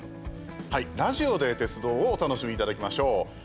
ラジオで鉄道をお楽しみいただきましょう。